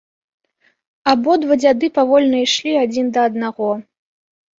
Абодва дзяды павольна ішлі адзін да аднаго.